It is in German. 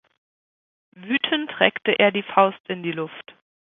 Wütend reckt er die Faust in die Luft.